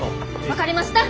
分かりました。